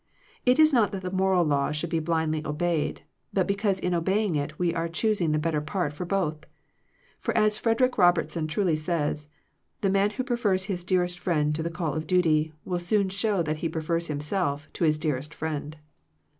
It is not that the moral law should be blindly obeyed, but because in obey ing it we are choosing the better part for both; for as Frederick Robertson truly says, "the man who prefers his dearest friend to the call of duty, will soon show that he prefers himself to his dearest friend."